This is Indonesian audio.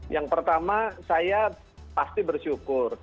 yang pertama saya pasti bersyukur